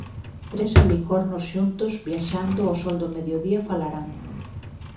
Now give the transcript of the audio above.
Tres alicornos xuntos viaxando ó sol do mediodía falarán.